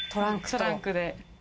トランクで。